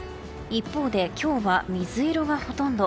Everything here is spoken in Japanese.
一方で今日は水色がほとんど。